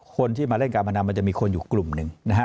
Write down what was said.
คนที่มาเล่นการพนันมันจะมีคนอยู่กลุ่มหนึ่งนะฮะ